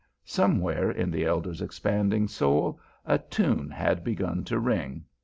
Somewhere in the elder's expanding soul a tune had begun to ring.